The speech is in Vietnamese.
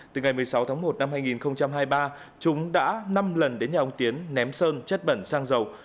từ ngày một mươi sáu tháng một năm hai nghìn hai mươi ba chúng đã năm lần đến nhà ông tiến ném sơn chất bẩn xăng dầu